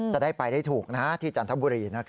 จะได้ไปได้ถูกที่จันทบุรี